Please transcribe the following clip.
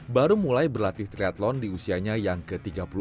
baru mulai berlatih triathlon di usianya yang ke tiga puluh empat